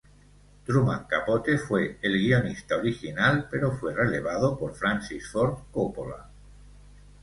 Truman Capote fue el guionista original pero fue relevado por Francis Ford Coppola.